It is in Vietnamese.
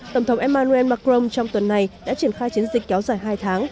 tổng thống emmanuel macron trong tuần này đã triển khai chiến dịch kéo dài hai tháng